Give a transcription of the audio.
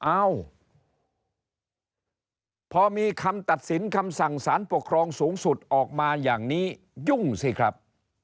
เอ้าพอมีคำตัดสินคำสั่งสารปกครองสูงสุดออกมาอย่างนี้ยุ่งสิครับ